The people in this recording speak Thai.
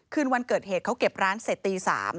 คืนวันเกิดเหตุเขาเก็บร้านเสร็จตี๓